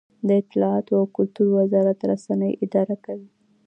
د اطلاعاتو او کلتور وزارت رسنۍ اداره کوي